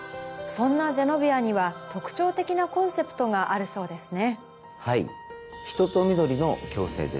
そんなＧＥＮＯＶＩＡには特徴的なコンセプトがあるそうですね。